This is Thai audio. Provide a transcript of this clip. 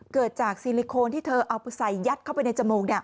เกิดจากซิลิโคนที่เธอเอาไปใส่ยัดเข้าไปในจมูก